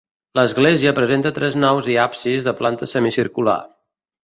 L'església presenta tres naus i absis de planta semicircular.